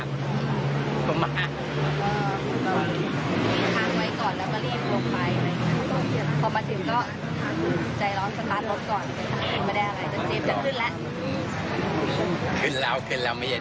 แต่ว่ายังขึ้นไม่หมด